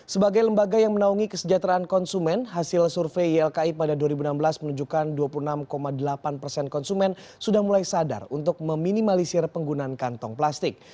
sebagai lembaga yang menaungi kesejahteraan konsumen hasil survei ylki pada dua ribu enam belas menunjukkan dua puluh enam delapan persen konsumen sudah mulai sadar untuk meminimalisir penggunaan kantong plastik